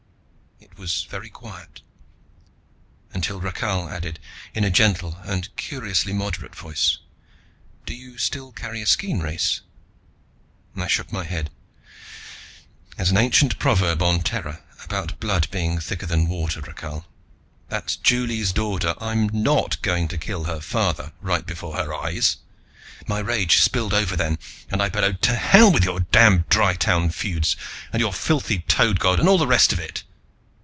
It was very quiet, until Rakhal added, in a gentle and curiously moderate voice, "Do you still carry a skean, Race?" I shook my head. "There's an ancient proverb on Terra, about blood being thicker than water, Rakhal. That's Juli's daughter. I'm not going to kill her father right before her eyes." My rage spilled over then, and I bellowed, "To hell with your damned Dry town feuds and your filthy Toad God and all the rest of it!"